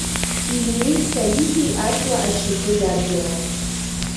Илиеи Салиҳи аҵла ашьапы иадиалан.